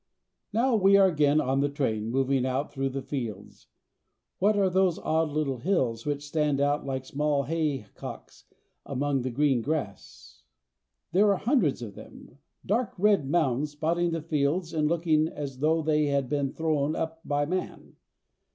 Now we are again on the train, mov ing out through the fields. What are those odd little hills which stand out like small haycocks among the green grass? There are hundredsof them, dark red mounds, spotting the fields and looking as though they had been thrown up by man.